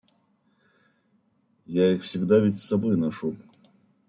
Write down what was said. Я их всегда ведь с собой ношу.